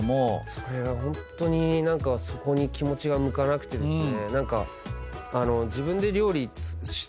それがホントに何かそこに気持ちが向かなくてですね。